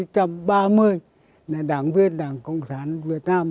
đây là đảng viên đảng cộng sản việt nam